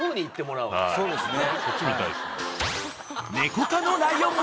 そうですね。